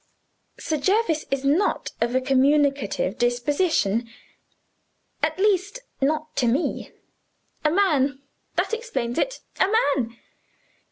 Sir Jervis is not of a communicative disposition. At least, not to me. A man that explains it a man!